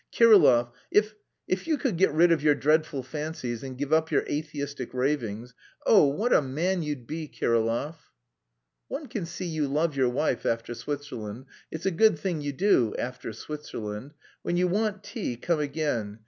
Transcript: "Kirillov, if... if you could get rid of your dreadful fancies and give up your atheistic ravings... oh, what a man you'd be, Kirillov!" "One can see you love your wife after Switzerland. It's a good thing you do after Switzerland. When you want tea, come again.